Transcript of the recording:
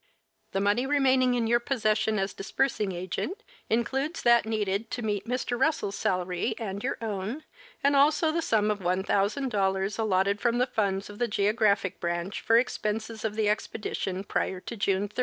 The money remaining in your possession as Disbursing Agent includes that needed to meet Mr. Russell's salary and your own, and also the sum of $1,000, allotted from the funds of the Geographic Branch for expenses of the expedition prior to June 30.